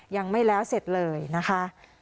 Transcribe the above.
ยังไม่แล้วเสร็จเลยนะคะ